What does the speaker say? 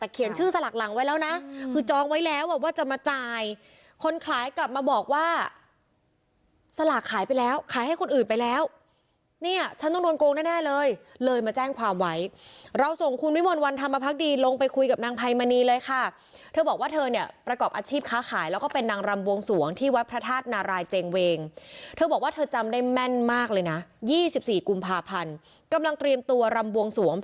เกิดไปแล้วเนี้ยฉันต้องโดนโกงแน่แน่เลยเลยมาแจ้งความไวเราส่งคุณวิวลวันธรรมภัคดีลงไปคุยกับนางไพมณีเลยค่ะเธอบอกว่าเธอเนี้ยประกอบอาชีพค้าขายแล้วก็เป็นนางรำวงสวงที่วัดพระธาตุนารายเจงเวงเธอบอกว่าเธอจำได้แม่นมากเลยน่ะยี่สิบสี่กุมภาพันธ์กำลังเตรียมตัวรำวงสว